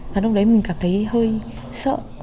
và lúc đấy mình cảm thấy hơi sợ